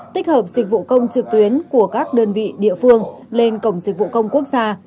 tích hợp dịch vụ công trực tuyến của các đơn vị địa phương lên cổng dịch vụ công quốc gia